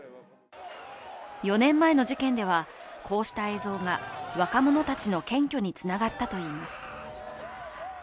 ４年前の事件では、こうした映像が若者たちの検挙につながったといいます。